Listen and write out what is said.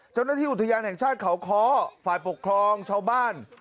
เจ้าหน้าที่อุทยานแห่งชาติเขาค้อฝ่ายปกครองชาวบ้าน